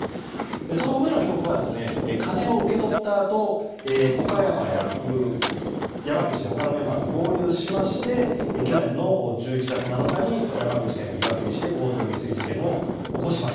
その上野被告は金を受け取ったあと岡山や山口で他のメンバーと合流しまして去年の１１月７日に山口県岩国市で強盗未遂事件を起こします。